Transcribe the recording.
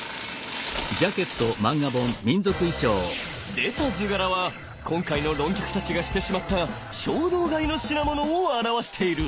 出た図柄は今回の論客たちがしてしまった衝動買いの品物を表している！